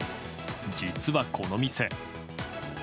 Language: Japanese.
実は、この店。